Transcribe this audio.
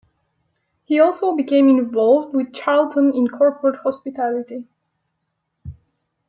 He also became involved with Charlton in corporate hospitality.